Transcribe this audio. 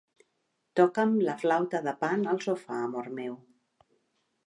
Toca'm la flauta de Pan al sofà, amor meu.